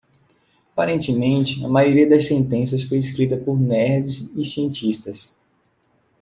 Aparentemente, a maioria das sentenças foi escrita por nerds e cientistas.